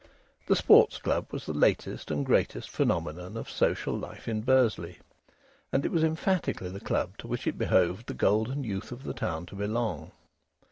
The Sports Club was the latest and greatest phenomenon of social life in Bursley, and it was emphatically the club to which it behoved the golden youth of the town to belong.